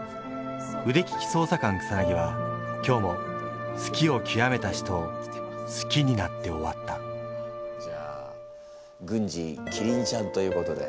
腕利き捜査官草は今日も好きをきわめた人を好きになって終わったじゃあ郡司キリンちゃんということで。